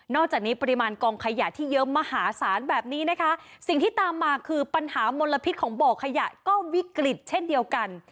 จากนี้ปริมาณกองขยะที่เยอะมหาศาลแบบนี้นะคะสิ่งที่ตามมาคือปัญหามลพิษของบ่อขยะก็วิกฤตเช่นเดียวกัน